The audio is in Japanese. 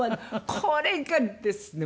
これがですね